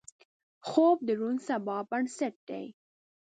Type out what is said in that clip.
خوب د روڼ سبا بنسټ دی